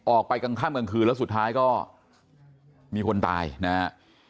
กลางค่ำกลางคืนแล้วสุดท้ายก็มีคนตายนะฮะ